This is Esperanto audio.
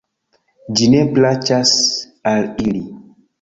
Ĝi ne plaĉas al ili.